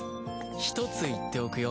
ひとつ言っておくよ